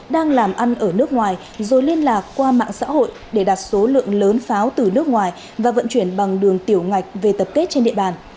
đang làm ăn ở nước ngoài rồi liên lạc qua mạng xã hội để đặt số lượng lớn pháo từ nước ngoài và vận chuyển bằng đường tiểu ngạch về tập kết trên địa bàn